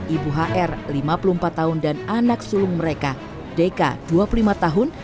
ibu hr lima puluh empat tahun dan anak sulung mereka deka dua puluh lima tahun